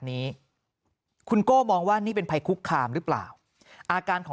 นี้คุณโก้มองว่านี่เป็นภัยคุกคามหรือเปล่าอาการของ